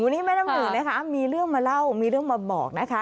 นี่แม่น้ำหนึ่งนะคะมีเรื่องมาเล่ามีเรื่องมาบอกนะคะ